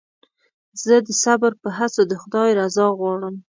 زه د صبر په هڅو د خدای رضا غواړم.